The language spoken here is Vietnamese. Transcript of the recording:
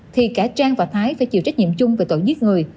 thì cả trang và thái phải chịu trách nhiệm chung về tội giết người